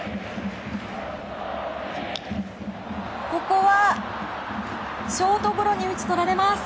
ここはショートゴロに打ち取られます。